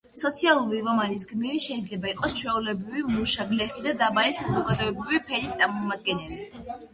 სოციალური რომანის გმირი შეიძლება იყოს ჩვეულებრივი მუშა, გლეხი და დაბალი საზოგადოებრივი ფენის წარმომადგენელი.